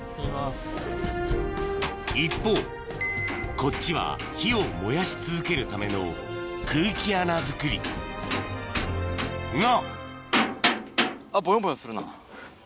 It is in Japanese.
一方こっちは火を燃やし続けるための空気穴作りが！